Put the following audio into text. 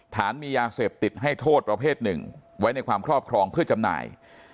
ฐานมียาเสพติดให้โทษประเภทหนึ่งไว้ในความครอบครองเพื่อจำหน่าย